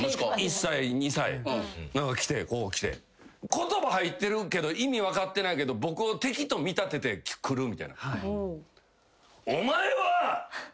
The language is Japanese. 言葉入ってるけど意味分かってないけど僕を敵と見立ててくるみたいな。